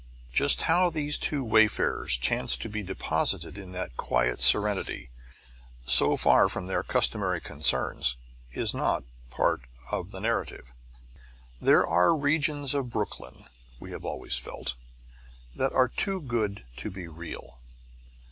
Just how these two wayfarers chanced to be deposited in that quiet serenity, so far from their customary concerns, is not part of the narrative. There are regions of Brooklyn, we have always felt, that are too good to be real.